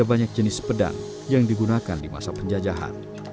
ada banyak jenis pedang yang digunakan di masa penjajahan